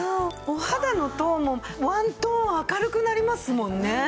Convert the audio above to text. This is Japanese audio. お肌のトーンもワントーン明るくなりますもんね。